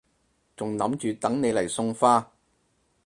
仲諗住等你嚟送花